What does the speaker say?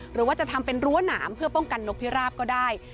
หรือว่าจะทำเป็นรั้วหนามเพื่อป้องกันนกพิราบก็ได้